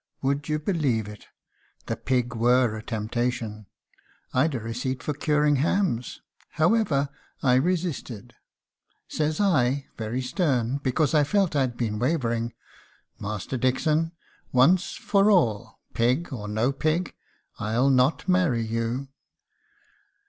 would you believe it? the pig were a temptation. I'd a receipt for curing hams.... However, I resisted. Says I, very stern, because I felt I'd been wavering, 'Master Dixon, once for all, pig or no pig, I'll not marry you.'"